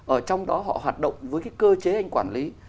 ở trong đó họ hoạt động với cái cơ chế anh quản lý